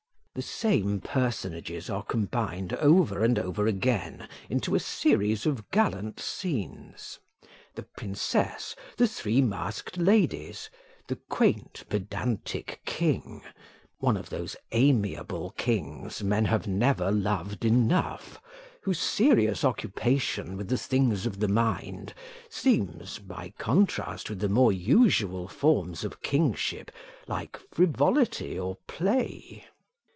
The same personages are combined over and over again into a series of gallant scenes the princess, the three masked ladies, the quaint, pedantic king; one of those amiable kings men have never loved enough, whose serious occupation with the things of the mind seems, by contrast with the more usual forms of kingship, like frivolity or play.